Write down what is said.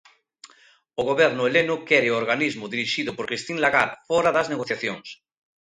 O goberno heleno quere ao organismo dirixido por Christine Lagarde fóra das negociacións.